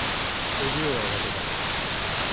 叔父上は渡せん。